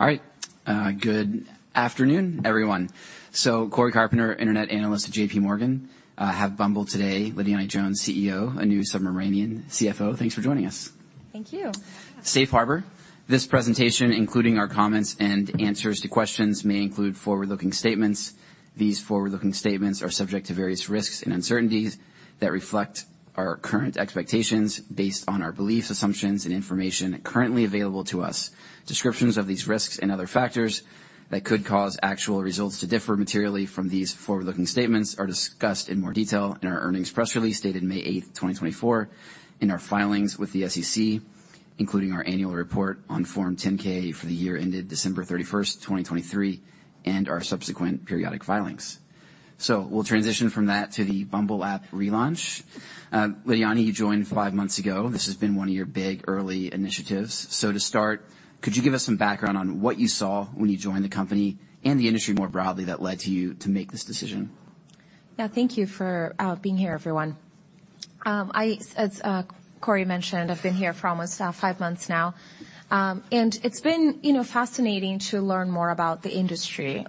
All right, good afternoon, everyone. So Cory Carpenter, Internet Analyst at JPMorgan. I have Bumble today, Lidiane Jones, CEO, and Anu Subramanian, CFO. Thanks for joining us. Thank you. Safe Harbor. This presentation, including our comments and answers to questions, may include forward-looking statements. These forward-looking statements are subject to various risks and uncertainties that reflect our current expectations based on our beliefs, assumptions, and information currently available to us. Descriptions of these risks and other factors that could cause actual results to differ materially from these forward-looking statements are discussed in more detail in our earnings press release, dated May 8, 2024, in our filings with the SEC, including our annual report on Form 10-K for the year ended December 31st, 2023, and our subsequent periodic filings. We'll transition from that to the Bumble app relaunch. Lidiane, you joined five months ago. This has been one of your big early initiatives. To start, could you give us some background on what you saw when you joined the company and the industry more broadly, that led to you to make this decision? Yeah, thank you for being here, everyone. I, as Cory mentioned, I've been here for almost five months now, and it's been, you know, fascinating to learn more about the industry.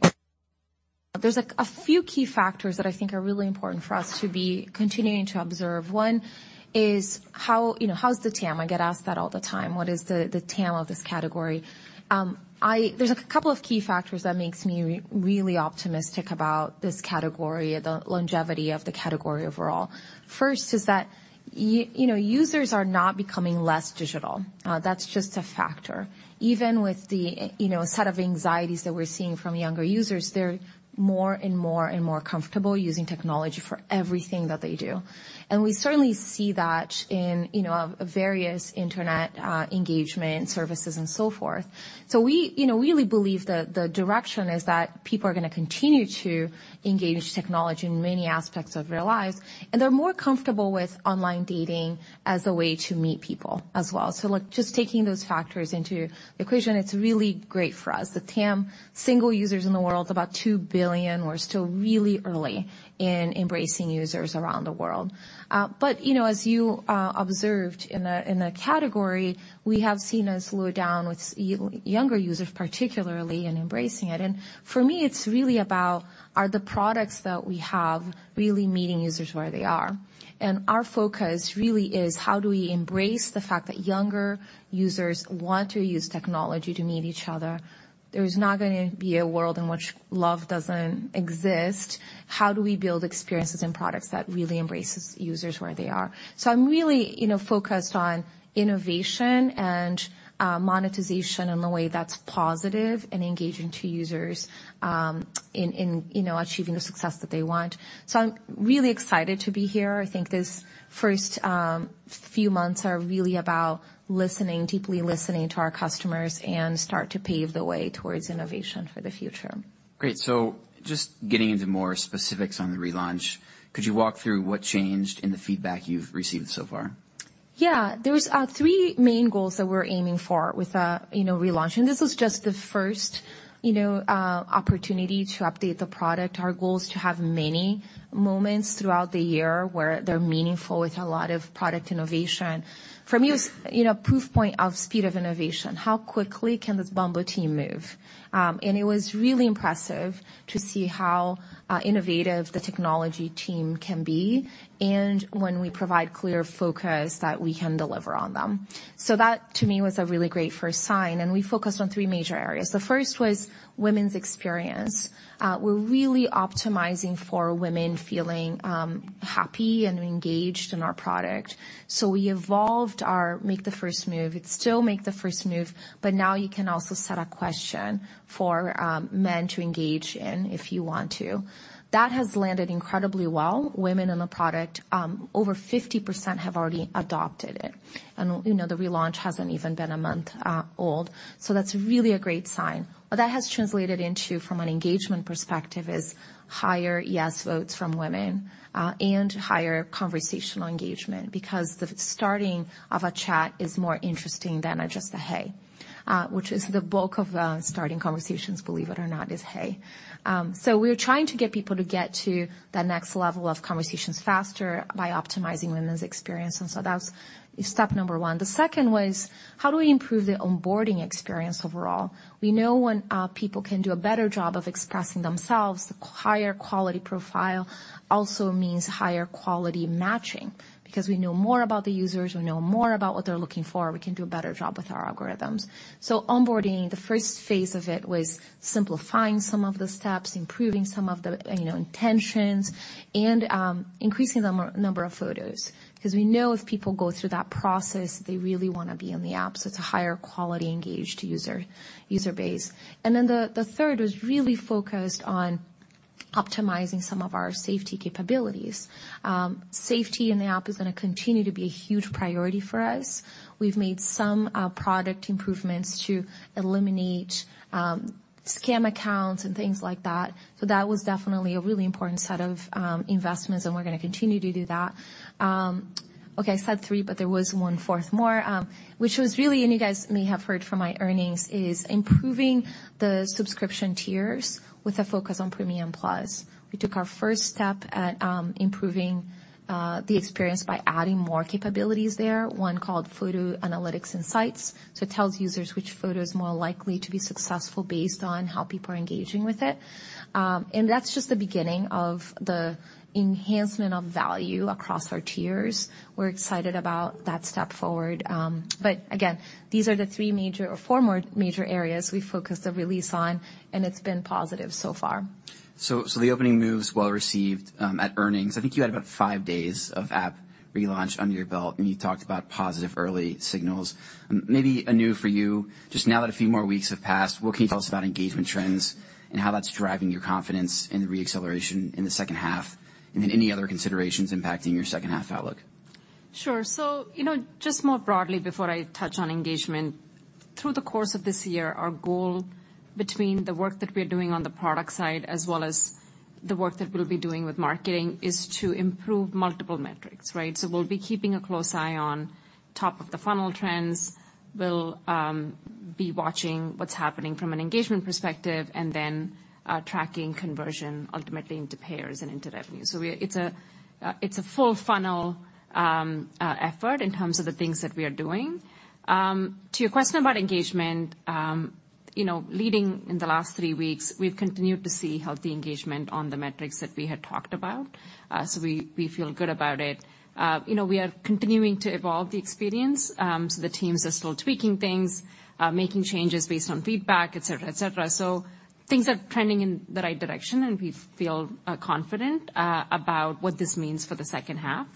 There's a few key factors that I think are really important for us to be continuing to observe. One is how, you know, how's the TAM? I get asked that all the time. What is the TAM of this category? There's a couple of key factors that makes me really optimistic about this category, the longevity of the category overall. First is that you know, users are not becoming less digital. That's just a factor. Even with the, you know, set of anxieties that we're seeing from younger users, they're more and more and more comfortable using technology for everything that they do. And we certainly see that in, you know, various internet engagement services and so forth. So we, you know, really believe the direction is that people are going to continue to engage technology in many aspects of their lives, and they're more comfortable with online dating as a way to meet people as well. So, look, just taking those factors into the equation, it's really great for us. The TAM, single users in the world, about two billion. We're still really early in embracing users around the world. But, you know, as you observed in the category, we have seen a slowdown with younger users particularly, in embracing it. And for me, it's really about, are the products that we have really meeting users where they are? And our focus really is: How do we embrace the fact that younger users want to use technology to meet each other? There is not going to be a world in which love doesn't exist. How do we build experiences and products that really embraces users where they are? So I'm really, you know, focused on innovation and, monetization in a way that's positive and engaging to users, in, you know, achieving the success that they want. So I'm really excited to be here. I think these first few months are really about listening, deeply listening to our customers and start to pave the way towards innovation for the future. Great. Just getting into more specifics on the relaunch, could you walk through what changed and the feedback you've received so far? Yeah, there was three main goals that we're aiming for with the, you know, relaunch, and this was just the first, you know, opportunity to update the product. Our goal is to have many moments throughout the year where they're meaningful with a lot of product innovation. For me, it was, you know, proof point of speed of innovation. How quickly can this Bumble team move? And it was really impressive to see how innovative the technology team can be and when we provide clear focus that we can deliver on them. So that, to me, was a really great first sign, and we focused on three major areas. The first was women's experience. We're really optimizing for women feeling happy and engaged in our product. So we evolved our Make the First Move. It's still Make the First Move, but now you can also set a question for men to engage in if you want to. That has landed incredibly well. Women in the product, over 50% have already adopted it, and, you know, the relaunch hasn't even been a month old, so that's really a great sign. What that has translated into, from an engagement perspective, is higher yes votes from women, and higher conversational engagement, because the starting of a chat is more interesting than just a, "Hey," which is the bulk of starting conversations, believe it or not, is, "Hey." So we're trying to get people to get to that next level of conversations faster by optimizing women's experience, and so that's step number one. The second was: How do we improve the onboarding experience overall? We know when people can do a better job of expressing themselves, the higher quality profile also means higher quality matching. Because we know more about the users, we know more about what they're looking for, we can do a better job with our algorithms. So onboarding, the first phase of it, was simplifying some of the steps, improving some of the, you know, intentions, and increasing the number of photos, because we know if people go through that process, they really want to be on the app, so it's a higher quality, engaged user, user base. And then the third was really focused on optimizing some of our safety capabilities. Safety in the app is going to continue to be a huge priority for us. We've made some product improvements to eliminate scam accounts and things like that. So that was definitely a really important set of investments, and we're going to continue to do that. Okay, I said three, but there was one fourth more, which was really, and you guys may have heard from my earnings, is improving the subscription tiers with a focus on Premium+. We took our first step at improving the experience by adding more capabilities there, one called Photo Analytics Insights. So it tells users which photo is more likely to be successful based on how people are engaging with it. And that's just the beginning of the enhancement of value across our tiers. We're excited about that step forward. But again, these are the three major or four more major areas we focused the release on, and it's been positive so far. So, the Opening Moves well received at earnings. I think you had about five days of app relaunch under your belt, and you talked about positive early signals. Maybe, Anu, for you, just now that a few more weeks have passed, what can you tell us about engagement trends and how that's driving your confidence in the re-acceleration in the second half, and then any other considerations impacting your second half outlook? Sure. So, you know, just more broadly, before I touch on engagement, through the course of this year, our goal between the work that we are doing on the product side, as well as the work that we'll be doing with marketing, is to improve multiple metrics, right? So we'll be keeping a close eye on top of the funnel trends. We'll be watching what's happening from an engagement perspective, and then tracking conversion ultimately into pairs and into revenue. So it's a full funnel effort in terms of the things that we are doing. To your question about engagement, you know, leading in the last three weeks, we've continued to see healthy engagement on the metrics that we had talked about, so we feel good about it. You know, we are continuing to evolve the experience, so the teams are still tweaking things, making changes based on feedback, et cetera, et cetera. So things are trending in the right direction, and we feel confident about what this means for the second half.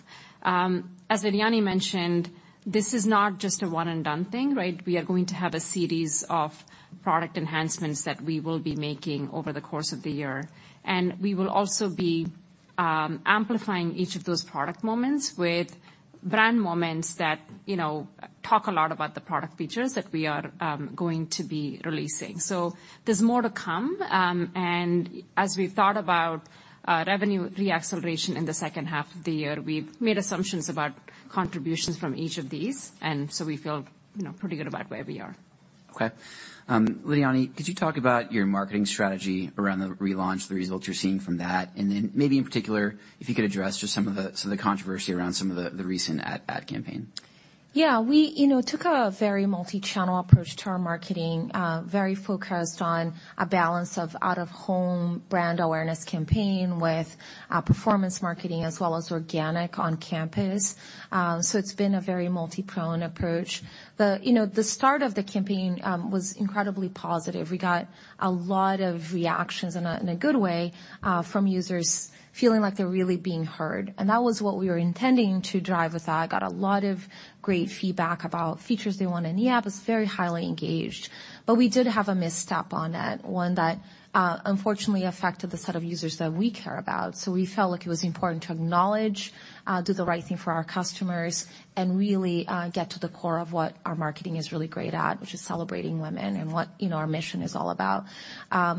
As Lidiane mentioned, this is not just a one-and-done thing, right? We are going to have a series of product enhancements that we will be making over the course of the year, and we will also be amplifying each of those product moments with brand moments that, you know, talk a lot about the product features that we are going to be releasing. So there's more to come, and as we thought about revenue re-acceleration in the second half of the year, we've made assumptions about contributions from each of these, and so we feel, you know, pretty good about where we are. Okay. Lidiane, could you talk about your marketing strategy around the relaunch, the results you're seeing from that? And then maybe in particular, if you could address just some of the controversy around the recent ad campaign. Yeah, we, you know, took a very multi-channel approach to our marketing, very focused on a balance of out-of-home brand awareness campaign with performance marketing, as well as organic on campus. So it's been a very multipronged approach. The, you know, the start of the campaign was incredibly positive. We got a lot of reactions in a, in a good way from users feeling like they're really being heard, and that was what we were intending to drive with that. Got a lot of great feedback about features they want, and the app is very highly engaged. But we did have a misstep on it, one that unfortunately affected the set of users that we care about. So we felt like it was important to acknowledge, do the right thing for our customers, and really, get to the core of what our marketing is really great at, which is celebrating women and what, you know, our mission is all about.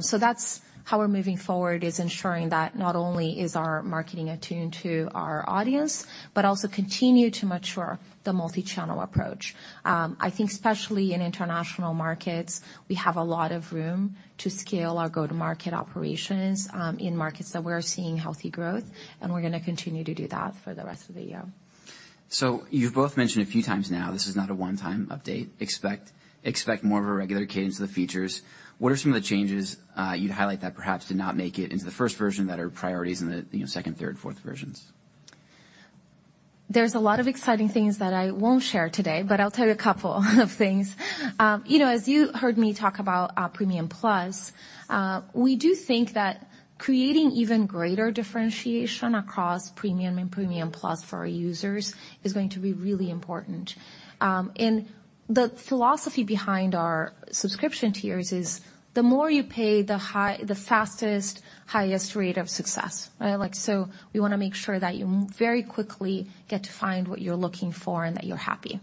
So that's how we're moving forward, is ensuring that not only is our marketing attuned to our audience, but also continue to mature the multi-channel approach. I think especially in international markets, we have a lot of room to scale our go-to-market operations, in markets that we're seeing healthy growth, and we're gonna continue to do that for the rest of the year. So you've both mentioned a few times now, this is not a one-time update. Expect more of a regular cadence of the features. What are some of the changes you'd highlight that perhaps did not make it into the first version that are priorities in the, you know, second, third, fourth versions? There's a lot of exciting things that I won't share today, but I'll tell you a couple of things. You know, as you heard me talk about, Premium+, we do think that creating even greater differentiation across Premium and Premium+ for our users is going to be really important. And the philosophy behind our subscription tiers is, the more you pay, the fastest, highest rate of success, right? Like, so we wanna make sure that you very quickly get to find what you're looking for and that you're happy.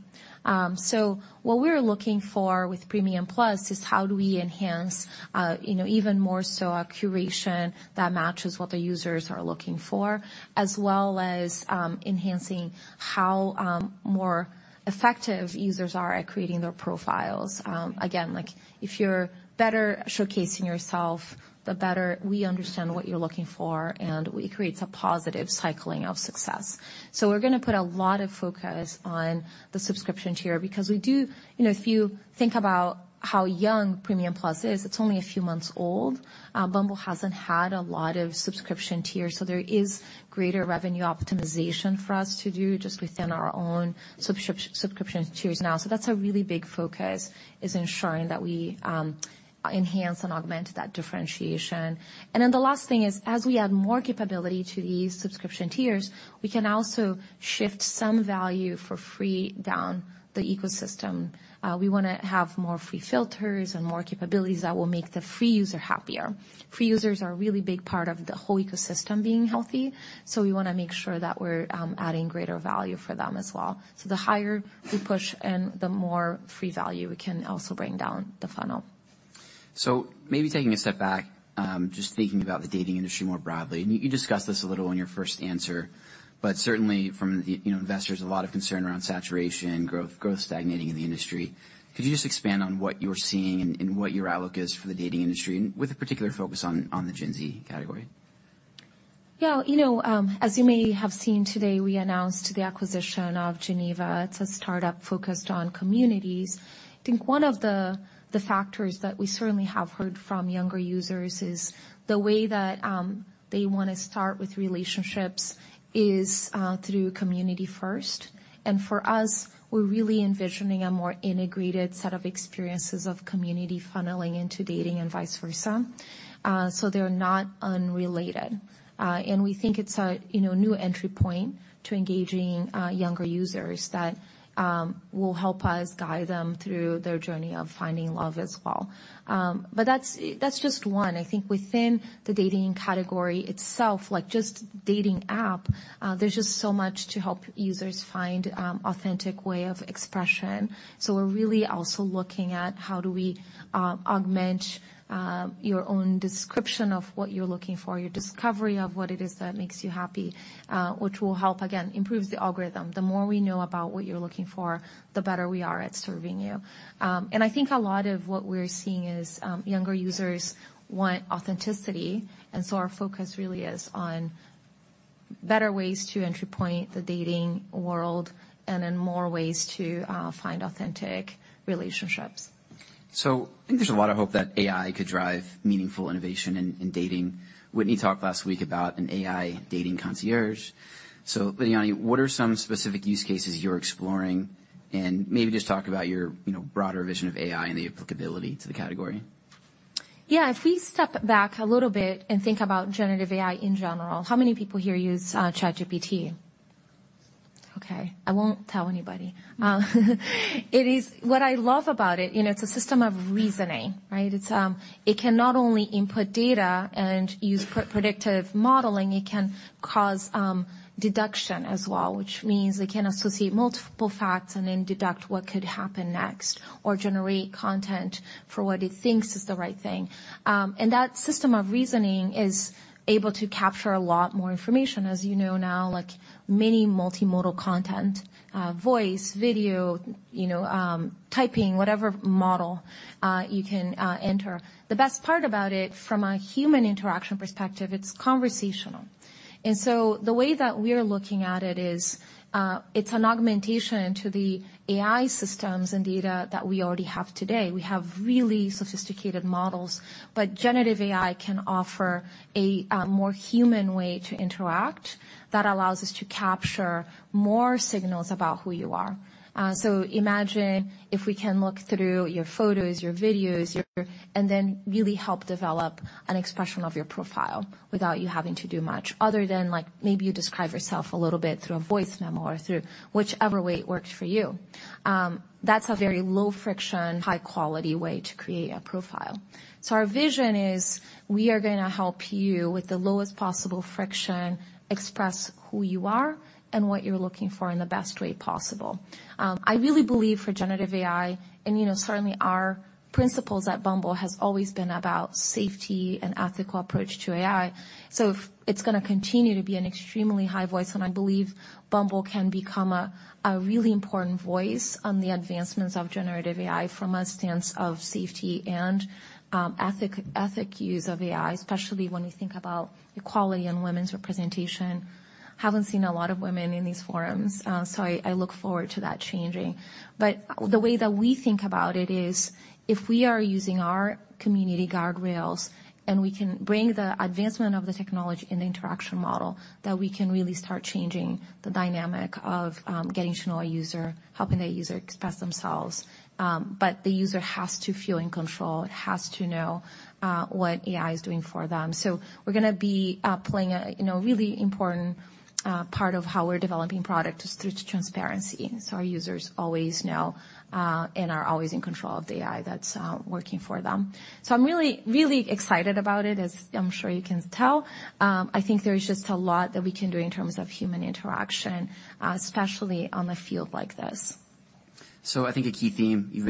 So what we're looking for with Premium+ is how do we enhance, you know, even more so a curation that matches what the users are looking for, as well as, enhancing how, more effective users are at creating their profiles. Again, like, if you're better showcasing yourself, the better we understand what you're looking for, and it creates a positive cycling of success. So we're gonna put a lot of focus on the subscription tier because we do. You know, if you think about how young Premium+ is, it's only a few months old. Bumble hasn't had a lot of subscription tiers, so there is greater revenue optimization for us to do just within our own subscription tiers now. So that's a really big focus, is ensuring that we enhance and augment that differentiation. And then the last thing is, as we add more capability to these subscription tiers, we can also shift some value for free down the ecosystem. We wanna have more free filters and more capabilities that will make the free user happier. Free users are a really big part of the whole ecosystem being healthy, so we wanna make sure that we're adding greater value for them as well. So the higher we push and the more free value, we can also bring down the funnel. So maybe taking a step back, just thinking about the dating industry more broadly, and you, you discussed this a little in your first answer, but certainly from the, you know, investors, a lot of concern around saturation, growth, growth stagnating in the industry. Could you just expand on what you're seeing and, and what your outlook is for the dating industry, with a particular focus on, on the Gen Z category? Yeah, you know, as you may have seen today, we announced the acquisition of Geneva. It's a startup focused on communities. I think one of the, the factors that we certainly have heard from younger users is the way that they wanna start with relationships is through community first. And for us, we're really envisioning a more integrated set of experiences of community funneling into dating and vice versa. So they're not unrelated. And we think it's a, you know, new entry point to engaging younger users that will help us guide them through their journey of finding love as well. But that's, that's just one. I think within the dating category itself, like just dating app, there's just so much to help users find authentic way of expression. So we're really also looking at how do we augment your own description of what you're looking for, your discovery of what it is that makes you happy, which will help, again, improves the algorithm. The more we know about what you're looking for, the better we are at serving you. And I think a lot of what we're seeing is younger users want authenticity, and so our focus really is on better ways to entry point the dating world and then more ways to find authentic relationships. So I think there's a lot of hope that AI could drive meaningful innovation in dating. Whitney talked last week about an AI dating concierge. So Lidiane, what are some specific use cases you're exploring? And maybe just talk about your, you know, broader vision of AI and the applicability to the category. Yeah, if we step back a little bit and think about generative AI in general, how many people here use ChatGPT? Okay, I won't tell anybody. It is, what I love about it, you know, it's a system of reasoning, right? It's, it can not only input data and use pre-predictive modeling, it can cause deduction as well, which means it can associate multiple facts and then deduct what could happen next, or generate content for what it thinks is the right thing. And that system of reasoning is able to capture a lot more information, as you know now, like many multimodal content, voice, video, you know, typing, whatever model you can enter. The best part about it, from a human interaction perspective, it's conversational. The way that we are looking at it is, it's an augmentation to the AI systems and data that we already have today. We have really sophisticated models, but generative AI can offer a more human way to interact that allows us to capture more signals about who you are. Imagine if we can look through your photos, your videos, and then really help develop an expression of your profile without you having to do much other than, like, maybe you describe yourself a little bit through a voice memo or through whichever way it works for you. That's a very low-friction, high-quality way to create a profile. Our vision is: we are gonna help you, with the lowest possible friction, express who you are and what you're looking for in the best way possible. I really believe for generative AI, and, you know, certainly our principles at Bumble has always been about safety and ethical approach to AI, so it's gonna continue to be an extremely high voice, and I believe Bumble can become a really important voice on the advancements of generative AI from a stance of safety and ethical use of AI, especially when you think about equality and women's representation. Haven't seen a lot of women in these forums, so I look forward to that changing. But the way that we think about it is, if we are using our community guardrails and we can bring the advancement of the technology in the interaction model, that we can really start changing the dynamic of getting to know a user, helping that user express themselves. But the user has to feel in control, has to know what AI is doing for them. So we're gonna be playing a, you know, really important part of how we're developing product is through transparency, so our users always know and are always in control of the AI that's working for them. So I'm really, really excited about it, as I'm sure you can tell. I think there is just a lot that we can do in terms of human interaction, especially on a field like this. So I think a key theme, you've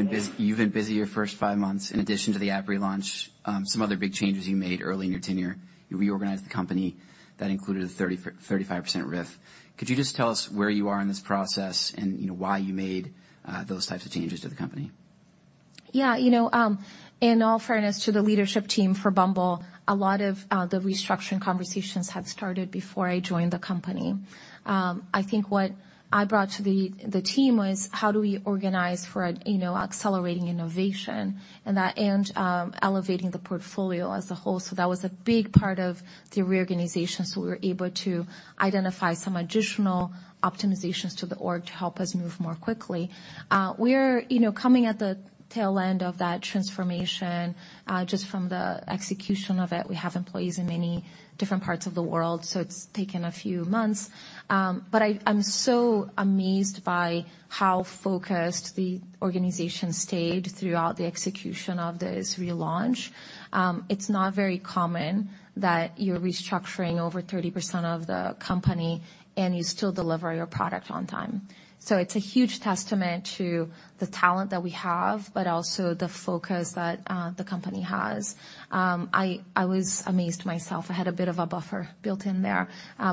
been busy your first five months. In addition to the app relaunch, some other big changes you made early in your tenure, you reorganized the company. That included a 35% RIF. Could you just tell us where you are in this process and, you know, why you made those types of changes to the company? Yeah, you know, in all fairness to the leadership team for Bumble, a lot of the restructuring conversations had started before I joined the company. I think what I brought to the team was: how do we organize for, you know, accelerating innovation and elevating the portfolio as a whole? So that was a big part of the reorganization. So we were able to identify some additional optimizations to the org to help us move more quickly. We're, you know, coming at the tail end of that transformation, just from the execution of it. We have employees in many different parts of the world, so it's taken a few months. But I, I'm so amazed by how focused the organization stayed throughout the execution of this relaunch. It's not very common that you're restructuring over 30% of the company, and you still deliver your product on time. So it's a huge testament to the talent that we have, but also the focus that the company has. I was amazed myself. I had a bit of a buffer built in there,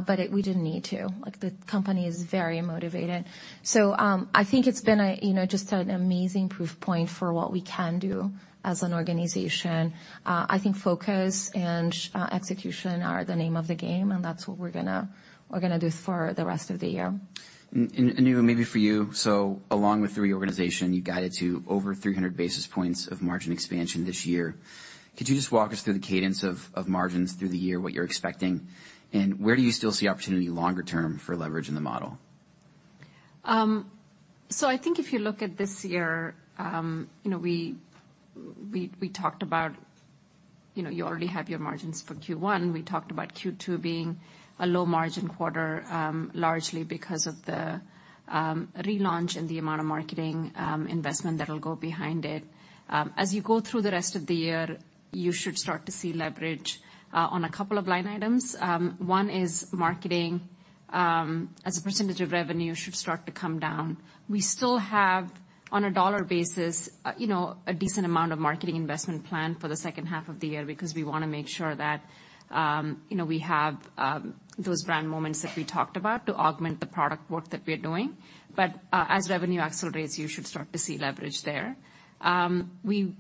but we didn't need to. Like, the company is very motivated. So, I think it's been a, you know, just an amazing proof point for what we can do as an organization. I think focus and execution are the name of the game, and that's what we're gonna do for the rest of the year. And Anu, maybe for you, so along with the reorganization, you guided to over 300 basis points of margin expansion this year. Could you just walk us through the cadence of margins through the year, what you're expecting? And where do you still see opportunity longer term for leverage in the model? So I think if you look at this year, you know, we talked about, you know, you already have your margins for Q1. We talked about Q2 being a low-margin quarter, largely because of the relaunch and the amount of marketing investment that'll go behind it. As you go through the rest of the year, you should start to see leverage on a couple of line items. One is marketing as a percentage of revenue, should start to come down. We still have, on a dollar basis, you know, a decent amount of marketing investment plan for the second half of the year because we wanna make sure that, you know, we have those brand moments that we talked about to augment the product work that we are doing. As revenue accelerates, you should start to see leverage there. Coming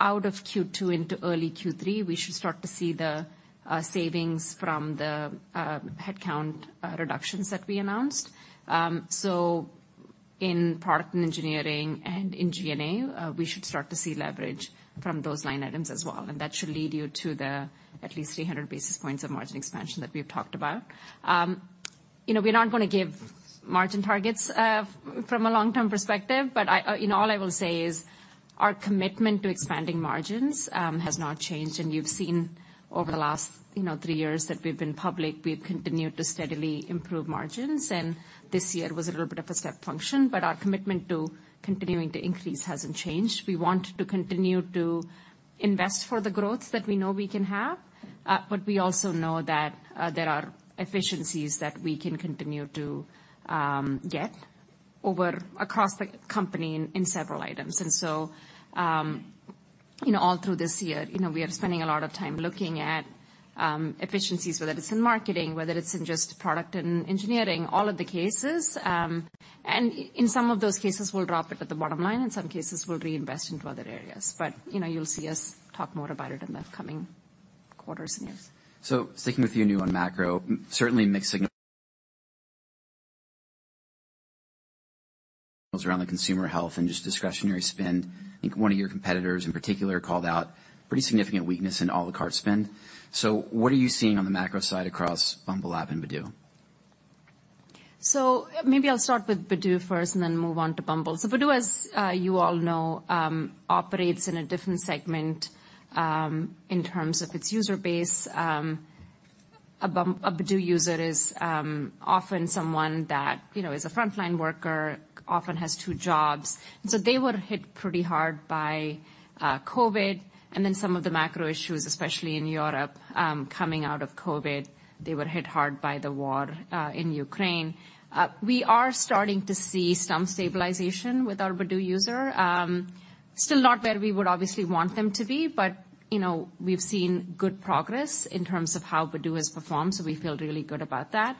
out of Q2 into early Q3, we should start to see the savings from the headcount reductions that we announced. So in product and engineering and in G&A, we should start to see leverage from those line items as well, and that should lead you to at least 300 basis points of margin expansion that we've talked about. You know, we're not gonna give margin targets from a long-term perspective, but I, you know, all I will say is our commitment to expanding margins has not changed. You've seen over the last, you know, three years that we've been public, we've continued to steadily improve margins, and this year was a little bit of a step function. Our commitment to continuing to increase hasn't changed. We want to continue to invest for the growth that we know we can have, but we also know that there are efficiencies that we can continue to get over across the company in several items. You know, all through this year, you know, we are spending a lot of time looking at efficiencies, whether it's in marketing, whether it's in just product and engineering, all of the cases. In some of those cases, we'll drop it at the bottom line, in some cases, we'll reinvest into other areas. You know, you'll see us talk more about it in the coming quarters and years. So sticking with you, Anu, on macro, certainly mixed signals around the consumer health and just discretionary spend. I think one of your competitors, in particular, called out pretty significant weakness in à la carte spend. So what are you seeing on the macro side across Bumble app and Badoo? So maybe I'll start with Badoo first and then move on to Bumble. So Badoo, as you all know, operates in a different segment in terms of its user base. A Badoo user is often someone that, you know, is a frontline worker, often has two jobs. And so they were hit pretty hard by COVID, and then some of the macro issues, especially in Europe, coming out of COVID, they were hit hard by the war in Ukraine. We are starting to see some stabilization with our Badoo user. Still not where we would obviously want them to be, but, you know, we've seen good progress in terms of how Badoo has performed, so we feel really good about that.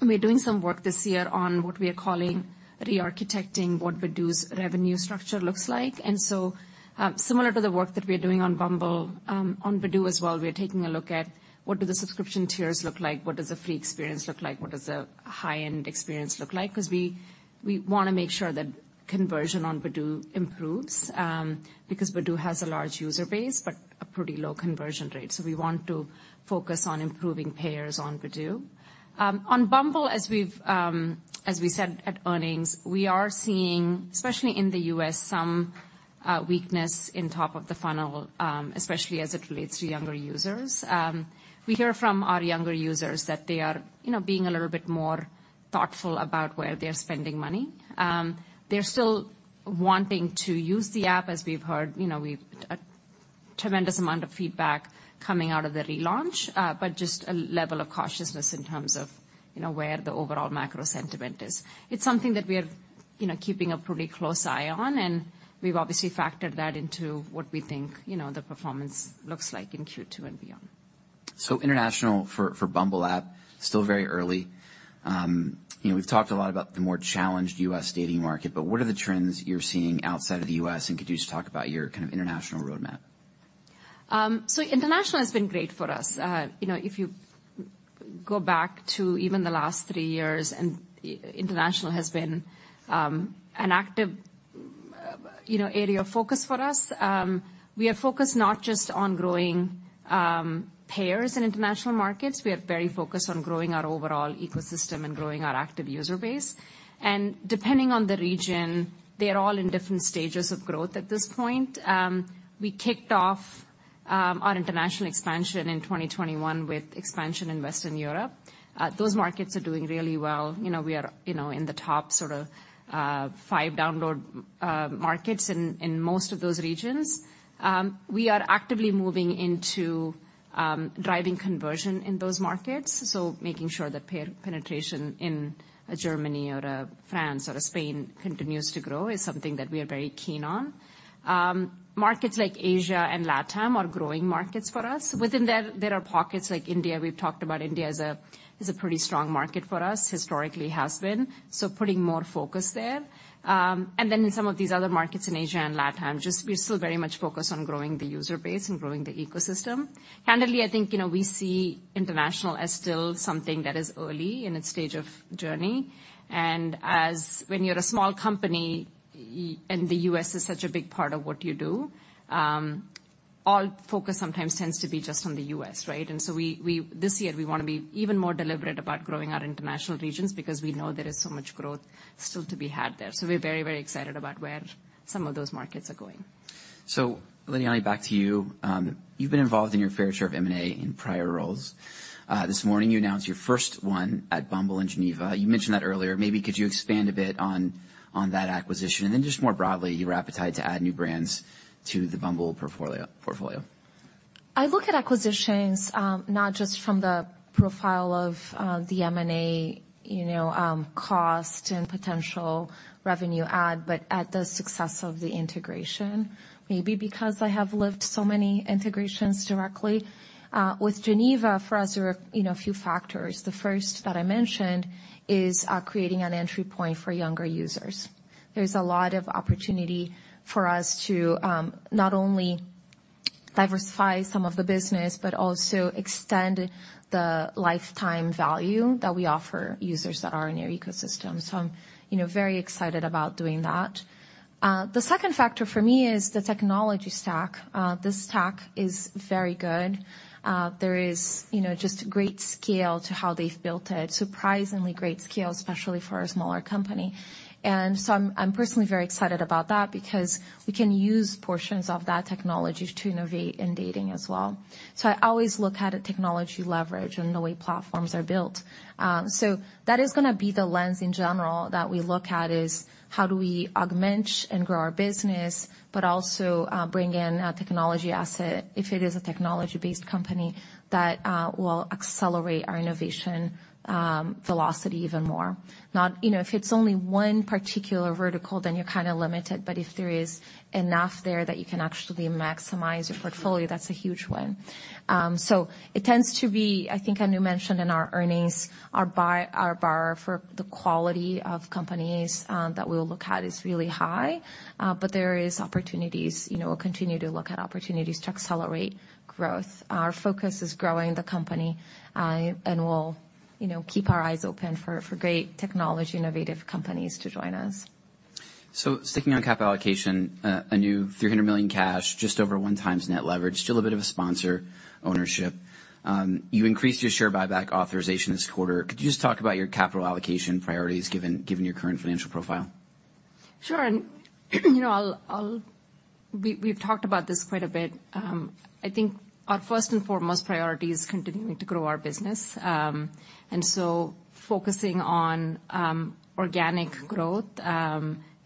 We're doing some work this year on what we are calling rearchitecting what Badoo's revenue structure looks like. And so, similar to the work that we are doing on Bumble, on Badoo as well, we are taking a look at what do the subscription tiers look like, what does a free experience look like, what does a high-end experience look like? 'Cause we wanna make sure that conversion on Badoo improves, because Badoo has a large user base, but a pretty low conversion rate. So we want to focus on improving payers on Badoo. On Bumble, as we've, as we said at earnings, we are seeing, especially in the U.S., some weakness in top of the funnel, especially as it relates to younger users. We hear from our younger users that they are, you know, being a little bit more thoughtful about where they're spending money. They're still wanting to use the app, as we've heard, you know, we've a tremendous amount of feedback coming out of the relaunch, but just a level of cautiousness in terms of, you know, where the overall macro sentiment is. It's something that we are, you know, keeping a pretty close eye on, and we've obviously factored that into what we think, you know, the performance looks like in Q2 and beyond. International for Bumble app, still very early. You know, we've talked a lot about the more challenged U.S. dating market, but what are the trends you're seeing outside of the U.S., and could you just talk about your kind of international roadmap? International has been great for us. You know, if you go back to even the last three years, and international has been an active, you know, area of focus for us. We are focused not just on growing payers in international markets. We are very focused on growing our overall ecosystem and growing our active user base. Depending on the region, they are all in different stages of growth at this point. We kicked off on international expansion in 2021 with expansion in Western Europe. Those markets are doing really well. You know, we are, you know, in the top sort of five download markets in most of those regions. We are actively moving into driving conversion in those markets, so making sure that penetration in Germany or France or Spain continues to grow is something that we are very keen on. Markets like Asia and LatAm are growing markets for us. Within that, there are pockets like India. We've talked about India as a pretty strong market for us, historically has been, so putting more focus there. And then in some of these other markets in Asia and LatAm, just we're still very much focused on growing the user base and growing the ecosystem. Candidly, I think, you know, we see international as still something that is early in its stage of journey, and as when you're a small company, and the U.S. is such a big part of what you do, all focus sometimes tends to be just on the U.S., right? And so this year, we want to be even more deliberate about growing our international regions because we know there is so much growth still to be had there. So we're very, very excited about where some of those markets are going. So Lidiane, back to you. You've been involved in your fair share of M&A in prior roles. This morning you announced your first one at Bumble in Geneva. You mentioned that earlier. Maybe could you expand a bit on that acquisition, and then just more broadly, your appetite to add new brands to the Bumble portfolio? I look at acquisitions, not just from the profile of, the M&A, you know, cost and potential revenue add, but at the success of the integration, maybe because I have lived so many integrations directly. With Geneva, for us, there were, you know, a few factors. The first that I mentioned is, creating an entry point for younger users. There's a lot of opportunity for us to, not only diversify some of the business, but also extend the lifetime value that we offer users that are in our ecosystem. So I'm, you know, very excited about doing that. The second factor for me is the technology stack. The stack is very good. There is, you know, just great scale to how they've built it. Surprisingly great scale, especially for a smaller company. I'm personally very excited about that because we can use portions of that technology to innovate in dating as well. So I always look at a technology leverage and the way platforms are built. So that is gonna be the lens in general that we look at: How do we augment and grow our business, but also bring in a technology asset, if it is a technology-based company, that will accelerate our innovation velocity even more? You know, if it's only one particular vertical, then you're kinda limited, but if there is enough there that you can actually maximize your portfolio, that's a huge win. So it tends to be, I think, Anu mentioned in our earnings, our bar for the quality of companies that we'll look at is really high, but there is opportunities. You know, we'll continue to look at opportunities to accelerate growth. Our focus is growing the company, and we'll, you know, keep our eyes open for great technology, innovative companies to join us. So sticking on capital allocation, Anu, $300 million cash, just over 1x net leverage, still a bit of a sponsor ownership. You increased your share buyback authorization this quarter. Could you just talk about your capital allocation priorities, given, given your current financial profile? Sure, and, you know, we've talked about this quite a bit. I think our first and foremost priority is continuing to grow our business. And so focusing on organic growth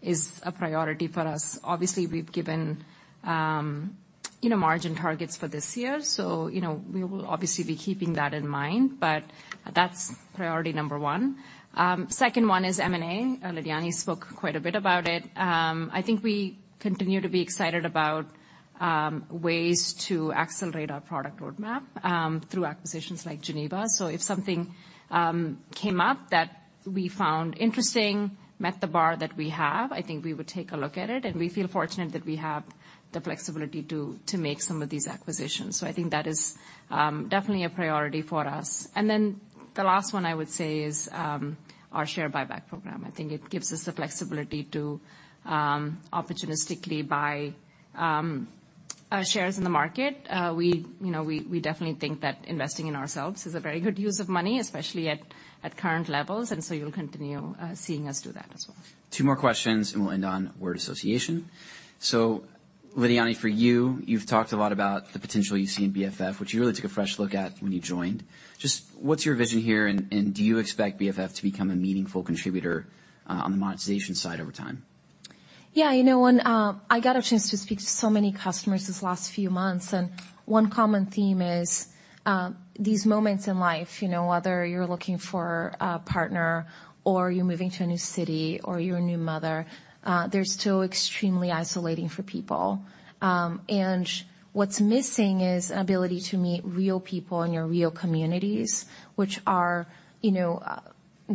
is a priority for us. Obviously, we've given, you know, margin targets for this year, so, you know, we will obviously be keeping that in mind, but that's priority number one. Second one is M&A. Lidiane spoke quite a bit about it. I think we continue to be excited about ways to accelerate our product roadmap through acquisitions like Geneva. So if something came up that we found interesting, met the bar that we have, I think we would take a look at it, and we feel fortunate that we have the flexibility to make some of these acquisitions. So I think that is definitely a priority for us. And then the last one I would say is our share buyback program. I think it gives us the flexibility to opportunistically buy shares in the market. We, you know, definitely think that investing in ourselves is a very good use of money, especially at current levels, and so you'll continue seeing us do that as well. Two more questions, and we'll end on word association. So Lidiane, for you, you've talked a lot about the potential you see in BFF, which you really took a fresh look at when you joined. Just what's your vision here, and do you expect BFF to become a meaningful contributor on the monetization side over time? Yeah, you know, when I got a chance to speak to so many customers these last few months, and one common theme is these moments in life, you know, whether you're looking for a partner or you're moving to a new city or you're a new mother, they're still extremely isolating for people. And what's missing is an ability to meet real people in your real communities, which our, you know,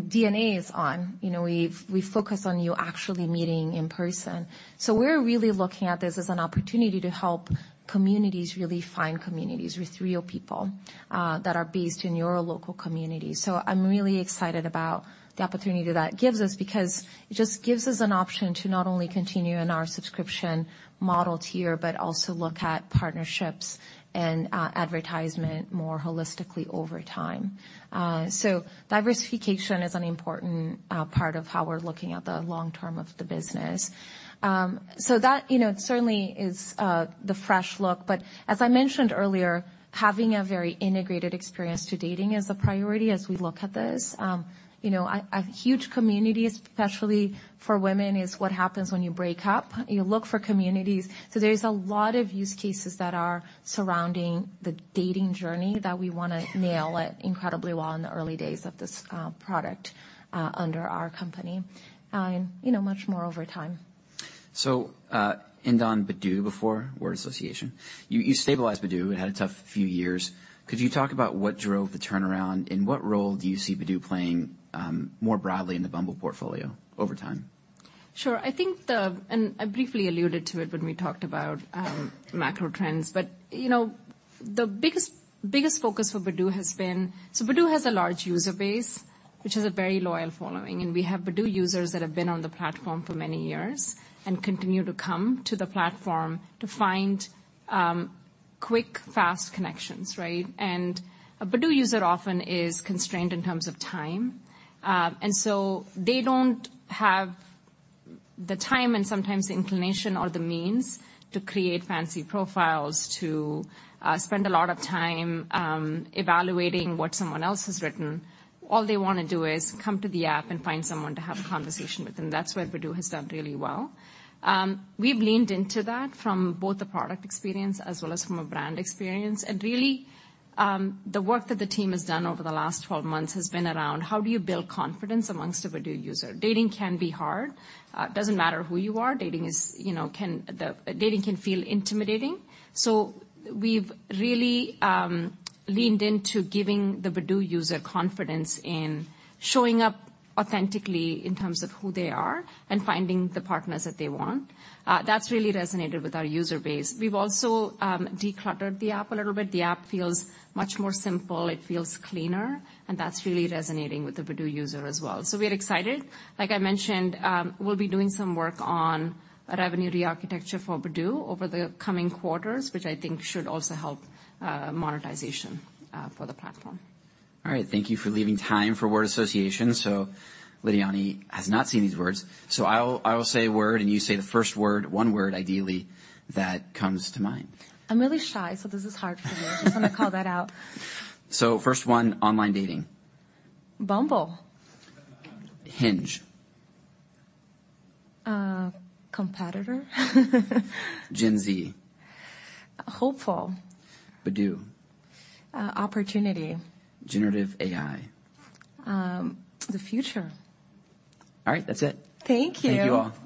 DNA is on. You know, we focus on you actually meeting in person. So we're really looking at this as an opportunity to help communities really find communities with real people that are based in your local community. So I'm really excited about the opportunity that gives us, because it just gives us an option to not only continue in our subscription model tier, but also look at partnerships and advertisement more holistically over time. So diversification is an important part of how we're looking at the long term of the business. So that, you know, certainly is the fresh look. But as I mentioned earlier, having a very integrated experience to dating is a priority as we look at this. You know, a huge community, especially for women, is what happens when you break up. You look for communities. So there's a lot of use cases that are surrounding the dating journey that we wanna nail it incredibly well in the early days of this, product, under our company, and you know, much more over time. So, end on Badoo before word association. You stabilized Badoo. It had a tough few years. Could you talk about what drove the turnaround, and what role do you see Badoo playing, more broadly in the Bumble portfolio over time? Sure. I think, and I briefly alluded to it when we talked about macro trends, but, you know, the biggest, biggest focus for Badoo has been. So Badoo has a large user base, which has a very loyal following, and we have Badoo users that have been on the platform for many years and continue to come to the platform to find quick, fast connections, right? And a Badoo user often is constrained in terms of time, and so they don't have the time and sometimes the inclination or the means to create fancy profiles, to spend a lot of time evaluating what someone else has written. All they wanna do is come to the app and find someone to have a conversation with, and that's where Badoo has done really well. We've leaned into that from both the product experience as well as from a brand experience. And really, the work that the team has done over the last 12 months has been around: How do you build confidence amongst a Badoo user? Dating can be hard. It doesn't matter who you are, dating is, you know, can feel intimidating. So we've really leaned into giving the Badoo user confidence in showing up authentically in terms of who they are and finding the partners that they want. That's really resonated with our user base. We've also decluttered the app a little bit. The app feels much more simple. It feels cleaner, and that's really resonating with the Badoo user as well. So we're excited. Like I mentioned, we'll be doing some work on a revenue rearchitecture for Badoo over the coming quarters, which I think should also help monetization for the platform. All right. Thank you for leaving time for word association. So Lidiane has not seen these words. So I will say a word, and you say the first word, one word, ideally, that comes to mind. I'm really shy, so this is hard for me. Just gonna call that out. First one, online dating. Bumble. Hinge. Uh, competitor. Gen Z. Hopeful. Badoo. Uh, opportunity. Generative AI. The future. All right, that's it. Thank you. Thank you, all.